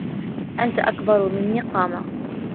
أنت أكبر مني قامة.